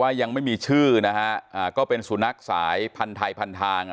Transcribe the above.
บอกว่ายังไม่มีชื่อนะฮะก็เป็นสุนัขสายพันทัยพันทาง